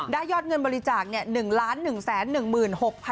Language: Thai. ได้ยอดเงินบริจาค๑๑๑๖๐๐๐บาทนะคะ